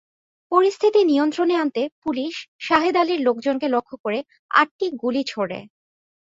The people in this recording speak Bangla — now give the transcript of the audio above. পরিস্থিতি নিয়ন্ত্রণে আনতে পুলিশ শাহেদ আলীর লোকজনকে লক্ষ্য করে আটটি গুলি ছোড়ে।